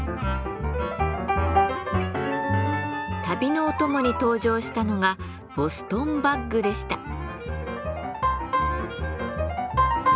旅のお供に登場したのがボストンバッグでした。